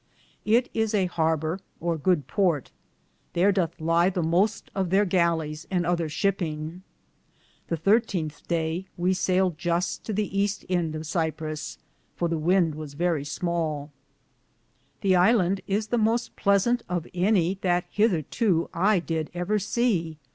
It is a harber, or good porte. Thare dothe lye the moste of there gallis and other shipinge. The 13th daye we sayled Juste to the easte ende of Siprus, for the wynde was verrie smale. This Hand is the moste pleasante of any that hetherto I did ever see.